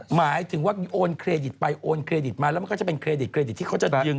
หมายถึงว่าโอนเครดิตไปโอนเครดิตมาแล้วมันก็จะเป็นเครดิตเครดิตที่เขาจะดึง